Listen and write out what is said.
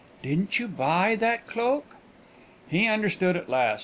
Didn't you buy that cloak?" He understood at last.